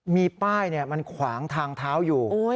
มีป้ายมันขวางทางเท้าอยู่